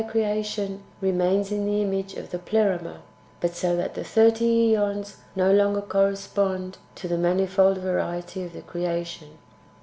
139 creation remains in the image of the Pleroma, but so that the thirty ^ons no longer correspond to the manifold variety of the creation.